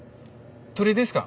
鳥ですか？